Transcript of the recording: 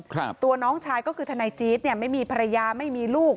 ครับตัวน้องชายก็คือทนายจี๊ดเนี่ยไม่มีภรรยาไม่มีลูก